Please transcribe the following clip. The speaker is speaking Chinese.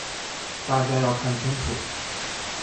大家要看清楚。